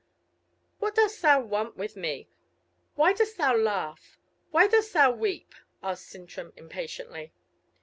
"What dost thou want with me? Why dost thou laugh? why dost thou weep?" asked Sintram impatiently.